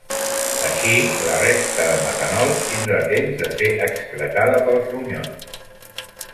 Així, la resta de metanol tindrà temps de ser excretada pels ronyons.